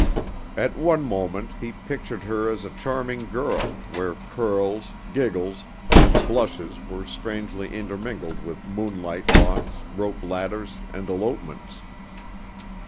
At one moment he pictured her as a charming girl, where curls, giggles, and blushes were strangely intermingled with moonlight walks, rope ladders, and elopements.